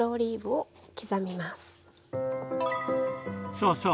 そうそう！